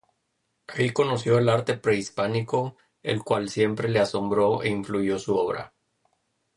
Ahí conoció el arte prehispánico el cual siempre le asombró e influyó su obra.